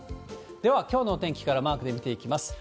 では、きょうのお天気からマークで見ていきます。